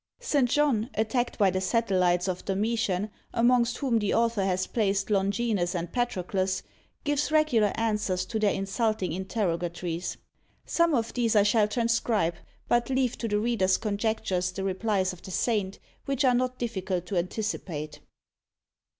St. John, attacked by the satellites of Domitian, amongst whom the author has placed Longinus and Patroclus, gives regular answers to their insulting interrogatories. Some of these I shall transcribe; but leave to the reader's conjectures the replies of the Saint, which are not difficult to anticipate.